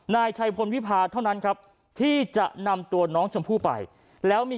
นายชัยพลวิพาเท่านั้นครับที่จะนำตัวน้องชมพู่ไปแล้วมี